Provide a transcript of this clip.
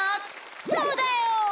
そうだよ！